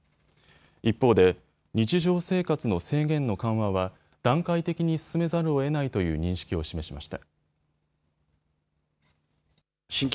一方で日常生活の制限の緩和は段階的に進めざるをえないという認識を示しました。